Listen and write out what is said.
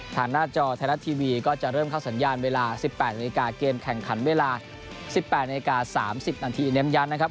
หน้าจอไทยรัฐทีวีก็จะเริ่มเข้าสัญญาณเวลา๑๘นาฬิกาเกมแข่งขันเวลา๑๘นาที๓๐นาทีเน้นย้ำนะครับ